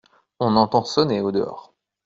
On entend sonner au-dehors.